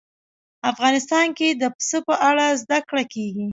افغانستان کې د پسه په اړه زده کړه کېږي.